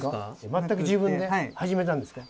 全く自分で始めたんですか？